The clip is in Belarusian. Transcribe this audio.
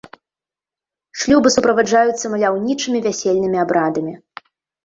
Шлюбы суправаджаюцца маляўнічымі вясельнымі абрадамі.